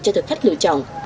cho thực khách lựa chọn